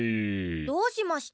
どうしました？